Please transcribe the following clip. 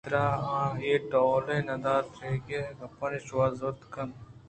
پرے حاترا آ اے ڈولیں اندیم ءُڈبیتگیں راز ءُ گپانی شوہازءِ زیات جہد کنت بلئے آ وتی دل ءَ بے توار نہ اِنت